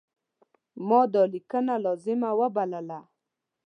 ما دا لیکنه لازمه وبلله.